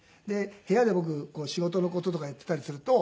部屋で僕仕事の事とかやっていたりすると。